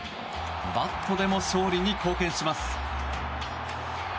バットでも勝利に貢献します。